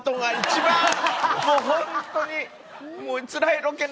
もうホントに！